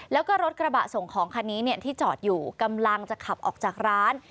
แล้วก็รถกระบะส่งของคันนี้ที่จอดอยู่กำลังจะขับออกจากร้าน